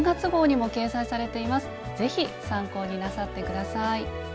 是非参考になさって下さい。